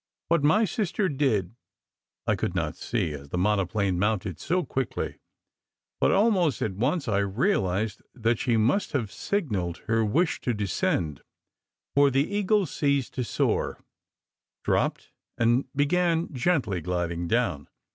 What my sister did I could not see, as the monoplane mounted so quickly; but al most at once I realized that she must have signalled her wish to descend, for the Eagle ceased to soar, dropped, and began gently gliding down.